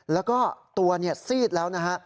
แล้วก็ตัวซีดแล้วนะฮะ